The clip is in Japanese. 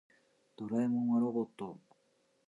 ドラえもんはロボット。